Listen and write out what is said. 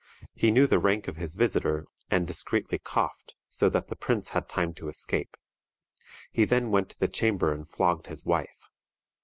He knew the rank of his visitor, and discreetly coughed, so that the prince had time to escape. He then went to the chamber and flogged his wife.